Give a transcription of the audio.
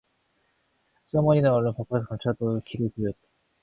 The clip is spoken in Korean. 첫째 어머니는 얼른 밥그릇을 감추어 놓고 귀를 기울였다.